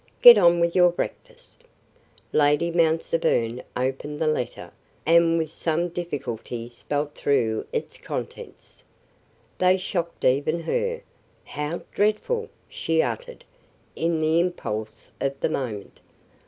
Get on with your breakfast." Lady Mount Severn opened the letter, and with some difficulty spelt through its contents. They shocked even her. "How dreadful!" she uttered, in the impulse of the moment.